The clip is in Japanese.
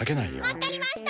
わっかりました。